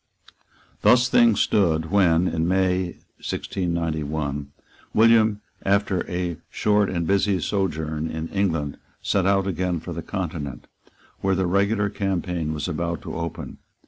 Thus things stood, when, in May 1691, William, after a short and busy sojourn in England, set out again for the Continent, where the regular campaign was about to open.